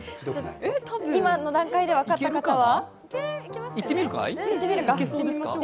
今の段階で分かった方は？